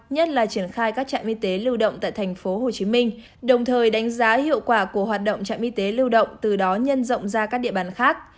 nhất là triển khai các trạm y tế lưu động tại thành phố hồ chí minh đồng thời đánh giá hiệu quả của hoạt động trạm y tế lưu động từ đó nhân rộng ra các địa bàn khác